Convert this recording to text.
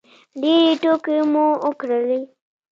ډېرې ټوکې مو وکړلې.